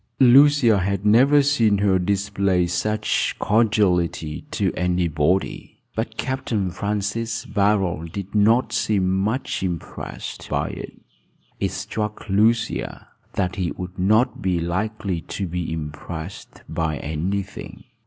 Lucia had never seen her display such cordiality to anybody. But Capt. Francis Barold did not seem much impressed by it. It struck Lucia that he would not be likely to be impressed by any thing.